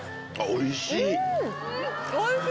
おいしい！